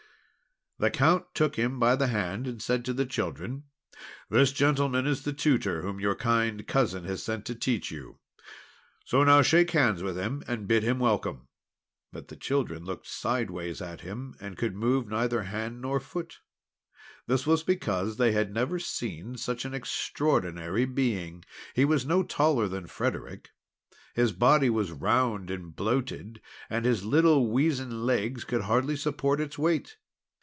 The Count took him by the hand, and said to the children: "This gentleman is the tutor whom your kind Cousin has sent to teach you. So now shake hands with him, and bid him welcome." But the children looked sidewise at him, and could move neither hand nor foot. This was because they had never seen such an extraordinary being. He was no taller than Frederic. His body was round and bloated, and his little weazen legs could hardly support its weight.